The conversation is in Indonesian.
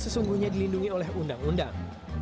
sesungguhnya dilindungi oleh undang undang